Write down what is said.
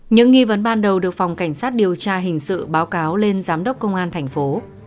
những nghi vấn ban đầu được phòng cảnh sát điều tra hình sự báo cáo lên giám đốc công an thành phố